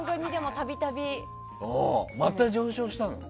また上昇したの？